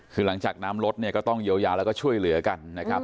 คือหลังจากน้ำลดเนี่ยก็ต้องเยียวยาแล้วก็ช่วยเหลือกันนะครับ